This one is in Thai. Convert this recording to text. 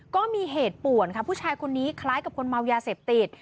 ก็มีเหตุป่วนค่ะผู้ชายคนนี้คล้ายกับคนเมายาเสพติด